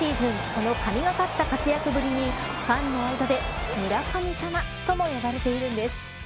その神がかった活躍ぶりにファンの間で村神様とも呼ばれているんです。